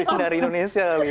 dikirim dari indonesia kali ya